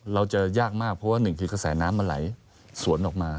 ยากมากเพราะว่าหนึ่งคือกระแสน้ำมันไหลสวนออกมา